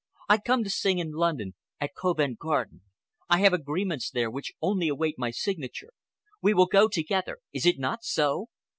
I come to sing in London at Covent Garden. I have agreements there which only await my signature. We will go together; is it not so?"